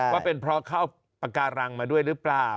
ว่าเป็นเพราะเข้าปากการังมาด้วยหรือเปล่า